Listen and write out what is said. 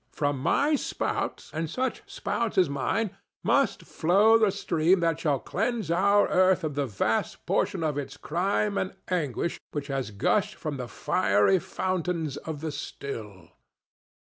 From my spout, and such spouts as mine, must flow the stream that shall cleanse our earth of the vast portion of its crime and anguish which has gushed from the fiery fountains of the still.